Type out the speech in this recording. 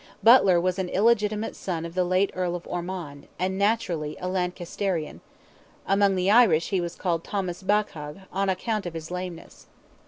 Butler was an illegitimate son of the late Earl of Ormond, and naturally a Lancasterian: among the Irish he was called Thomas Baccagh, on account of his lameness.